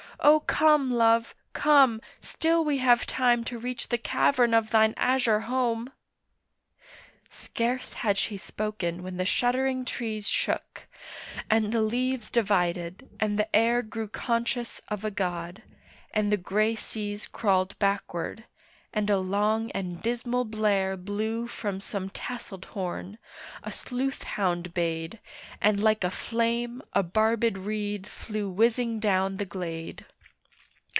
O come, Love, come, Still we have time to reach the cavern of thine azure home.' Scarce had she spoken when the shuddering trees Shook, and the leaves divided, and the air Grew conscious of a god, and the grey seas Crawled backward, and a long and dismal blare Blew from some tasselled horn, a sleuth hound bayed, And like a flame a barbèd reed flew whizzing down the glade.